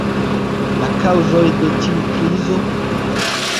La kaŭzoj de tiu krizo?